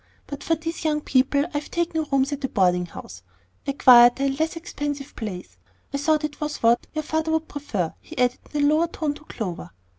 But for these young people I've taken rooms at a boarding house, a quieter and less expensive place. I thought it was what your father would prefer," he added in a lower tone to Clover.